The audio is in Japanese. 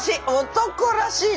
男らしいね！